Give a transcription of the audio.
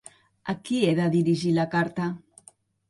A qui he de dirigir la carta?